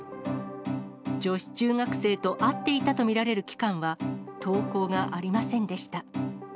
女子中学生と会っていたと見られる期間は、投稿がありませんでした。